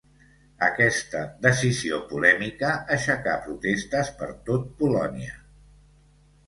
Aquesta decisió polèmica aixecà protestes per tot Polònia.